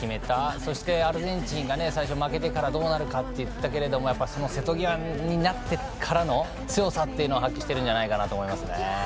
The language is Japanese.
そして、アルゼンチンが最初、負けてからどうなるかって言ってたけど瀬戸際になってからの強さというのを発揮しているんじゃないかと思います。